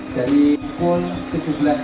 dari pukul tujuh belas tiga puluh